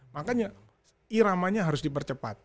makanya iramanya harus dipercepat